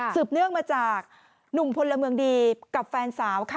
เนื่องมาจากหนุ่มพลเมืองดีกับแฟนสาวค่ะ